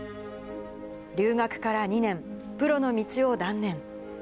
留学から２年、プロの道を断念。